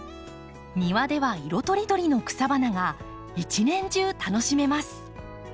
庭では色とりどりの草花が一年中楽しめます。